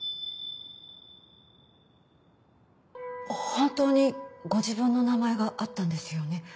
本当にご自分の名前があったんですよね？